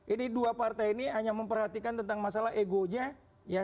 ini dua partai ini hanya memperhatikan tentang masalah egonya ya